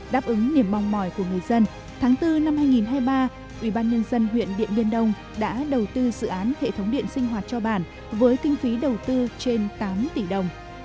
đáp ứng niềm mong mỏi của người dân tháng bốn năm hai nghìn hai mươi ba ubnd huyện điện biên đông đã đầu tư dự án hệ thống điện sinh hoạt cho bản với kinh phí đầu tư trên tám tỷ đồng